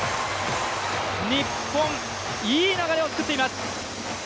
日本、いい流れを作っています。